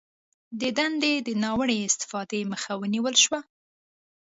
د دندې د ناوړه استفادې مخه ونیول شوه